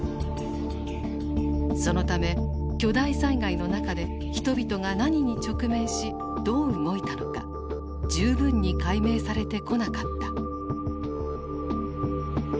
そのため巨大災害の中で人々が何に直面しどう動いたのか十分に解明されてこなかった。